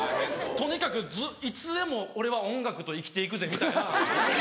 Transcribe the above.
とにかくいつでも俺は音楽と生きて行くぜみたいな。